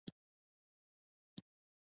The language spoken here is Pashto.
که ګاونډي ته ماشوم پیدا شي، مبارکي ورکړه